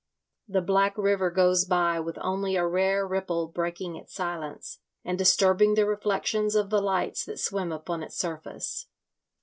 The black river goes by with only a rare ripple breaking its silence, and disturbing the reflections of the lights that swim upon its surface.